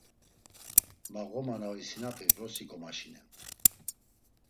Ma ğoma na visinapi vrosi gomaşinen.